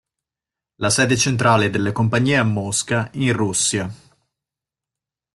La sede centrale della compagnie è a Mosca, in Russia.